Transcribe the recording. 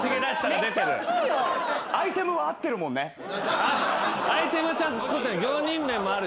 アイテムはちゃんと作ってる。